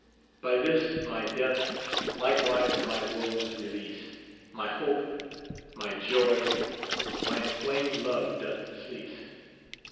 By this my death, likewise my woes release. My hope, my joy, my inflamed love doth cease.